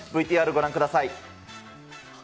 ＶＴＲご覧ください。